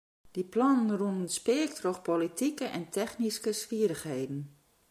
Dy plannen rûnen speak troch politike en technyske swierrichheden.